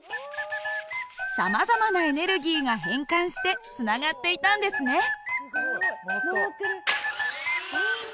さまざまなエネルギーが変換してつながっていたんですね。